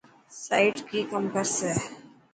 سائيٽ ڪي ڪم ڪرسي.